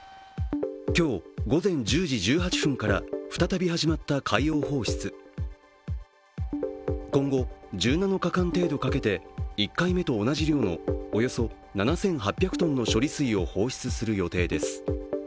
今日午前１０時１８分から再び始まった海洋放出今後、１７日間程度かけて１回目と同じ量のおよそ７８００ｔの処理水を放出する予定です。